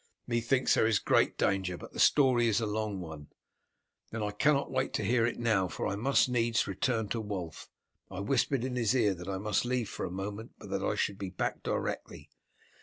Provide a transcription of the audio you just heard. "Methinks there is great danger. But the story is a long one." "Then I cannot wait to hear it now, for I must needs return to Wulf. I whispered in his ear that I must leave for a moment, but that I should be back directly."